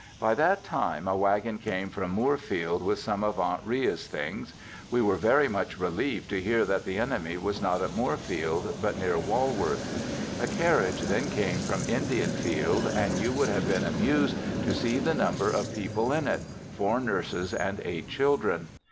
By that time a wagon came from Moorfield with some of Aunt Ria's things; we were very much relieved to hear that the enemy was not at Moorfield, but near Walworth. A carriage then came from Indianfield, and you would have been amused to see the number of people in it, four nurses and eight children.